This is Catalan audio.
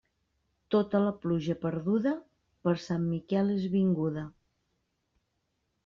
Tota la pluja perduda, per Sant Miquel és vinguda.